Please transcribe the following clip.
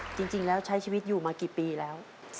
จริงแล้วใช้ชีวิตอยู่มากี่ปีแล้ว